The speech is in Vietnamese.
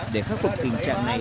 để khắc phục tình trạng này